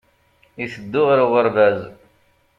Iteddu ɣer uɣerbaz.